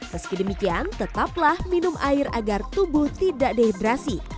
meski demikian tetaplah minum air agar tubuh tidak dehidrasi